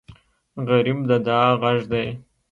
غریب د دعا غږ دی